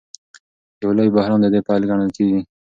یو لوی بحران د دې پیل ګڼل کېږي.